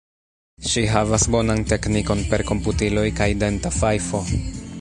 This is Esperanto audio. Ŝi havas bonan teknikon per komputiloj kaj denta fajfo.